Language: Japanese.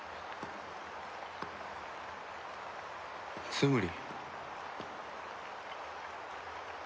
ツムリ？